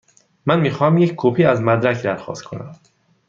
من می خواهم یک کپی از مدرک درخواست کنم.